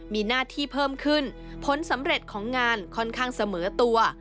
มีหน้าที่เพิ่มขึ้นผลสำเร็จของงานค่อนข้างเสมอตัว